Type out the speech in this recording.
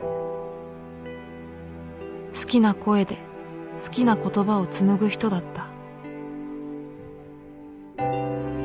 好きな声で好きな言葉をつむぐ人だった